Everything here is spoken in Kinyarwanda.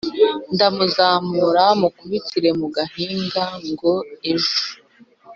ndamuzamura mukubitira mu gahinga ngo ejo